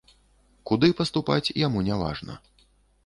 Куды паступаць, яму няважна.